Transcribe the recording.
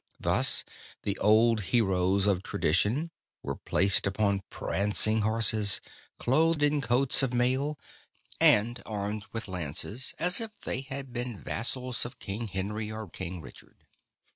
Thus, the old heroes of tradition were placed upon prancing horses, clothed in coats of mail, and armed with lances as if they had been vassals of King Henry or King Richard.